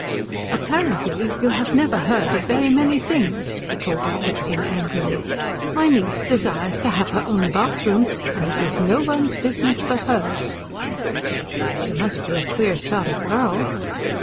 "Apparently you have never heard of very many things," retorted Fritzing angrily. "My niece desires to have her own bathroom, and it is no one's business but hers." "She must be a queer sort of girl."